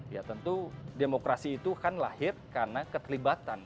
ya tentu demokrasi itu kan lahir karena keterlibatan